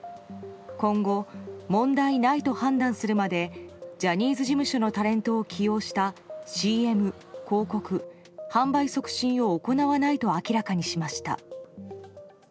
今度問題ないと判断するまでジャニーズ事務所のタレントを起用したＣＭ、広告、販売促進を行わないと明らかにしました。